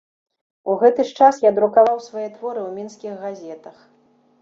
У гэты ж час я друкаваў свае творы ў мінскіх газетах.